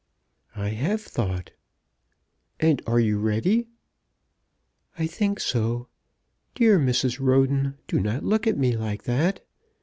"I have thought." "And are you ready?" "I think so. Dear Mrs. Roden, do not look at me like that.